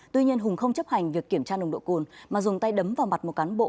tuy nhiên hùng không chấp hành việc kiểm tra nồng độ cồn mà dùng tay đấm vào mặt một cán bộ